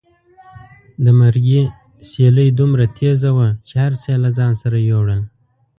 د مرګي سیلۍ دومره تېزه وه چې هر څه یې له ځان سره یوړل.